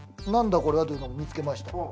これはというのを見つけました。